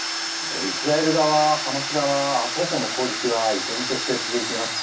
イスラエル側、ハマス側双方の攻撃は依然として続いています。